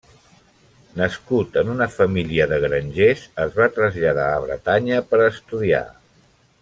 Nascut en una família de grangers, es va traslladar a Bretanya per estudiar.